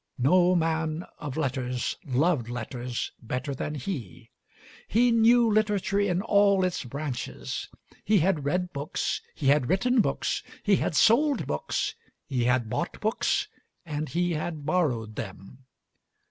No man of letters loved letters better than he. He knew literature in all its branches he had read books, he had written books, he had sold books, he had bought books, and he had borrowed them.